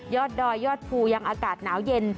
ดอยยอดภูยังอากาศหนาวเย็น